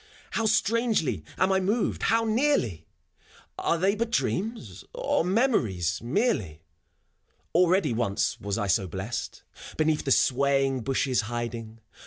How strangely am I moved, how nearly ! Are they but dreams f or memories, merely f Already once was I so blest. Beneath the swaying bushes hiding.